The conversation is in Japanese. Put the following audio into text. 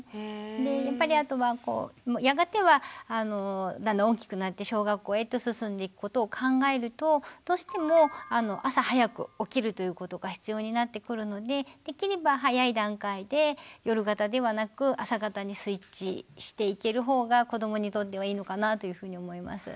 でやっぱりあとはやがてはあのだんだん大きくなって小学校へと進んでいくことを考えるとどうしても朝早く起きるということが必要になってくるのでできれば早い段階で夜型ではなく朝型にスイッチしていける方が子どもにとってはいいのかなというふうに思います。